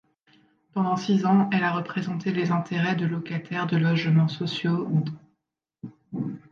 Pendant six ans, elle a représenté les intérêts de locataires de logements sociaux d'.